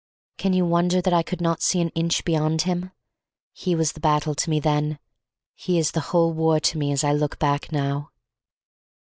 Can you wonder that I could not see an inch beyond him? He was the battle to me then; he is the whole war to me as I look back now.